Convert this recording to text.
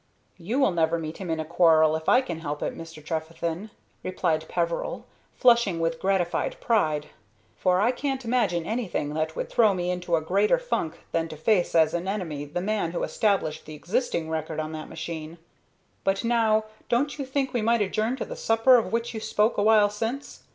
"You will never meet him in a quarrel if I can help it, Mr. Trefethen," replied Peveril, flushing with gratified pride, "for I can't imagine anything that would throw me into a greater funk than to face as an enemy the man who established the existing record on that machine. But, now, don't you think we might adjourn to the supper of which you spoke awhile since?